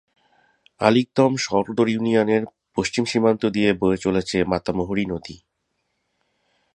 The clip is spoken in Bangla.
আলীকদম সদর ইউনিয়নের পশ্চিম সীমান্ত দিয়ে বয়ে চলেছে মাতামুহুরী নদী।